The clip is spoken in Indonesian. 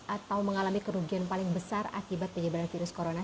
atau mengalami kerugian paling besar akibat penyebaran virus corona